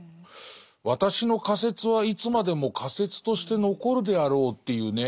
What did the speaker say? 「私の仮説はいつまでも仮説として残るであらう」っていうね。